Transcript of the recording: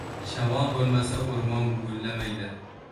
• Shamol bo‘lmasa, o‘rmon g‘uvillamaydi.